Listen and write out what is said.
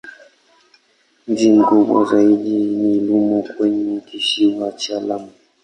Mji mkubwa zaidi ni Lamu kwenye Kisiwa cha Lamu.